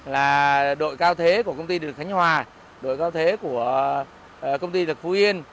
là đội cao thế của công ty điện lực khánh hòa đội cao thế của công ty điện lực phú yên